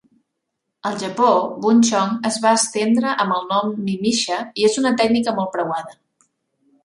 Al Japó, "Buncheong" es va estendre amb el nom "Mimisha" i és una tècnica molt preuada.